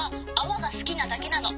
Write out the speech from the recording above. わがすきなだけなの。